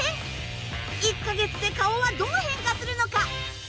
１か月で顔はどう変化するのか？